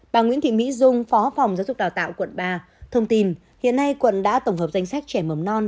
bà nguyễn thị mỹ dung phó phòng giáo dục đào tạo quận ba thông tin hiện nay quận đã tổng hợp danh sách trẻ mầm non